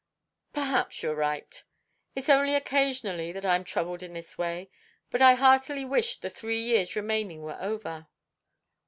"Perhaps you are right. It's only occasionally that I am troubled in this way. But I heartily wish the three years remaining were over."